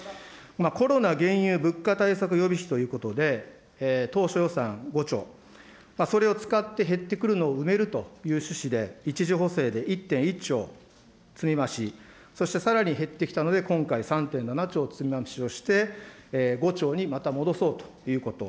コロナ・原油・物価対策予備費ということで、当初予算５兆、それを使って減ってくるのを埋めるというので１次補正で１．１兆積み増し、そしてさらに減ってきたので今回、３．７兆積み増しをして、５兆にまた戻そうということ。